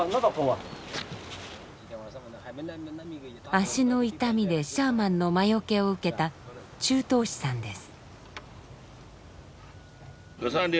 脚の痛みでシャーマンの魔よけを受けた柱東子さんです。